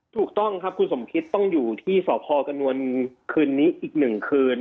ถูกต้องครับคุณสมคิตต้องอยู่ที่สพกระนวลคืนนี้อีก๑คืน